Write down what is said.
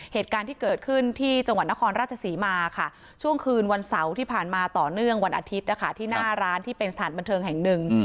เหตุการณ์ที่เกิดขึ้นที่จังหวัดนครราชศรีมาค่ะช่วงคืนวันเสาร์ที่ผ่านมาต่อเนื่องวันอาทิตย์นะคะที่หน้าร้านที่เป็นสถานบันเทิงแห่งหนึ่ง